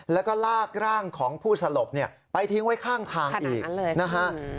แล้วก็ลากร่างของผู้สลบไปทิ้งไว้ข้างทางอีกนะฮะ